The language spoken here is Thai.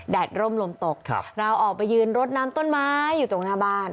ร่มลมตกเราออกไปยืนรดน้ำต้นไม้อยู่ตรงหน้าบ้าน